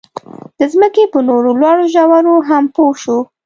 د ځمکې په نورو لوړو ژورو هم پوه شو.